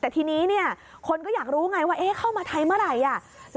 แต่ทีนี้เนี่ยคนก็อยากรู้ไงว่าเข้ามาไทยเมื่อไหร่